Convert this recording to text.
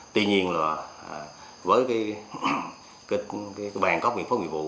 tuy nhiên là với cái bàn cóc viện phóng viện vụ